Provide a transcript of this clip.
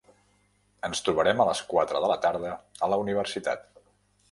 Ens trobarem a les quatre de la tarda a la universitat.